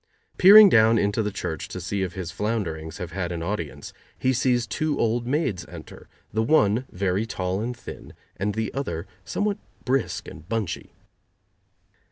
Peering down into the church to see if his flounderings have had an audience, he sees two old maids enter, the one very tall and thin and the other somewhat brisk and bunchy.